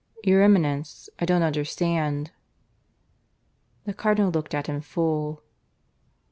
"Your Eminence, I don't understand." The Cardinal looked at him full.